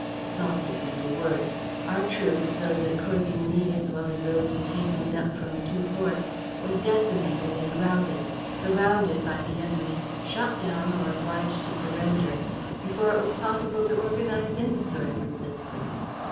Assault isn't the word: our troops, those at Corvigny as well as those which hastened up from the two forts, were decimated and routed, surrounded by the enemy, shot down or obliged to surrender, before it was possible to organize any sort of resistance.